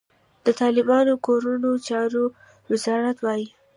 د طالبانو کورنیو چارو وزارت وايي،